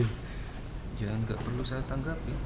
ya enggak perlu saya tanggap